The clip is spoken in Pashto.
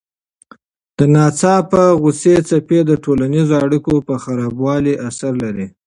د ناڅاپه غوسې څپې د ټولنیزو اړیکو په خرابوالي اثر لري.